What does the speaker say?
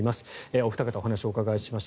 お二方にお話をお伺いしました。